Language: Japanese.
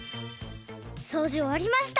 そうじおわりました。